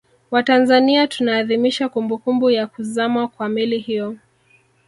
Watanzania tunaadhimisha kumbukumbu ya kuzama kwa Meli hiyo